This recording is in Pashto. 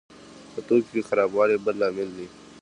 په توکو کې خرابوالی بل لامل دی.